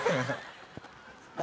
何？